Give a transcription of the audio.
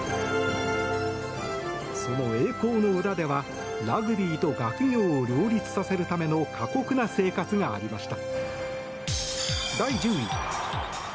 その栄光の裏ではラグビーと学業を両立させるための過酷な生活がありました。